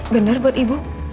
bener buat ibu